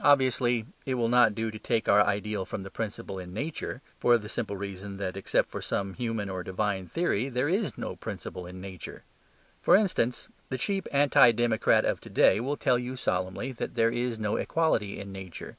Obviously, it will not do to take our ideal from the principle in nature; for the simple reason that (except for some human or divine theory), there is no principle in nature. For instance, the cheap anti democrat of to day will tell you solemnly that there is no equality in nature.